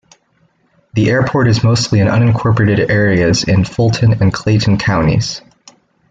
The airport is mostly in unincorporated areas in Fulton and Clayton counties.